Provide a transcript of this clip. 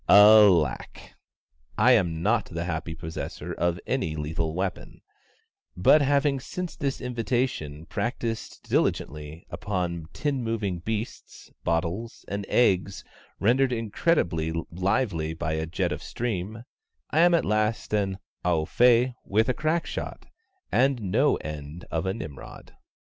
Alack! I am not the happy possessor of any lethal weapon, but, having since this invitation practised diligently upon tin moving beasts, bottles, and eggs rendered incredibly lively by a jet of steam, I am at last an au fait with a crackshot, and no end of a Nimrod.